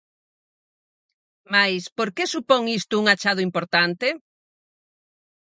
Mais, por que supón isto un achado importante?